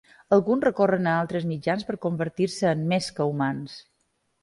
Alguns recorren a altres mitjans per convertir-se en "més" que humans.